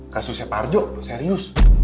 kasusnya parjo serius